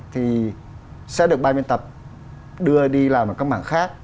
thì sẽ được bài viên tập đưa đi làm vào các mảng khác